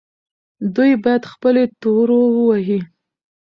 دوی باید خپلې تورو ووهي.